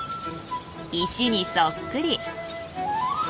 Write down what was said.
石にそっくり。